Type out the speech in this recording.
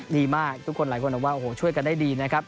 ดีมากทุกคนหลายคนจะบอกว่า